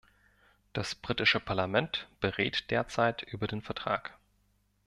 Das britische Parlament berät derzeit über den Vertrag.